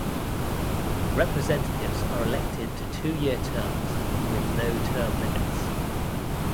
Representatives are elected to two-year terms with no term limits.